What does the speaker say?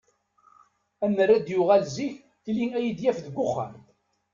Amer d-yuɣal zik, tili ad iyi-d-yaf deg uxxam.